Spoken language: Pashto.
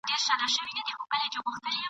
غليمان به فراريږي !.